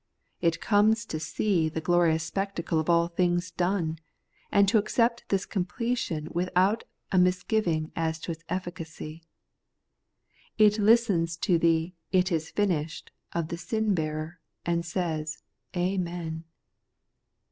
It comes to see the glorious spectacle of aU things done, and to accept this completion with out a misgiving as to its efficacy. It listens to the ' It is finished !' of the sin bearer, and says, ' Amen.